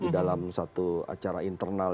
di dalam satu acara internal